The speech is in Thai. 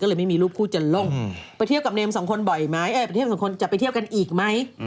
ก็เลยไม่มีรูปคู่จะลงไปเทียบกับเนมสองคนจะไปเทียบกันอีกไหม